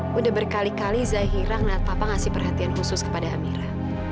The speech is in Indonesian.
sudah berkali kali zahiran dan papa ngasih perhatian khusus kepada amira